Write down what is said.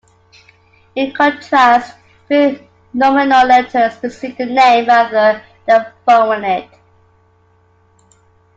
In contrast, pre-nominal letters precede the name rather than following it.